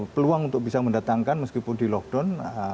peluang untuk bisa mendatangkan meskipun di lockdown